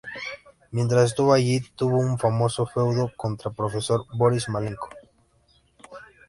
Mientras estuvo allí, tuvo un famoso feudo contra Professor Boris Malenko.